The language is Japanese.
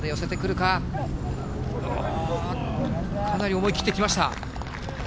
かなり思い切ってきました。